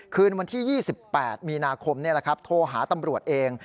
คืนวันที่๒๘มีนาคมนี่แหละครับโทรหาตำรวจเอง